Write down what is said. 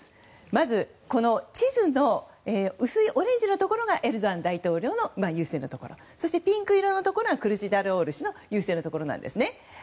まず、地図の薄いオレンジのところがエルドアン大統領の優勢のところそして、ピンク色のところがクルチダルオール氏の優勢のところなんですね。